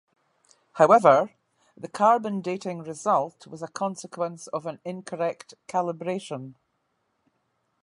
However, the carbon dating result was a consequence of an incorrect calibration.